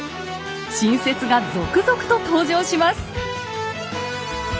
新説が続々と登場します。